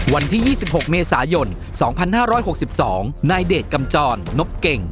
วันที่๒๖เมษายน๒๕๖๒นายเดชกำจรนบเก่ง